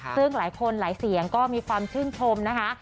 ซึ่งหลายคนหลายเสียงก็มีความชื่นชมนะคะ